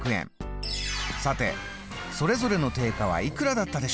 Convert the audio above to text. さてそれぞれの定価はいくらだったでしょうか？